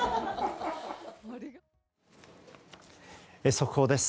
速報です。